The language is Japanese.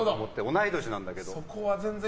同い年なんだけど。